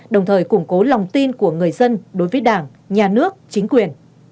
đồng thời củng cố lòng tin của người dân đối với đảng nhà nước chính quyền